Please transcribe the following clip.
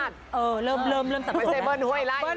ใช่มั้ย